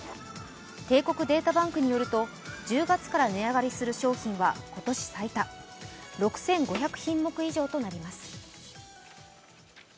帝国データバンクによると１０月から値上がりする商品は今年最多、６５００品目以上となります。